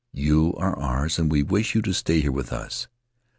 You are ours and we wish you to stay here with us.'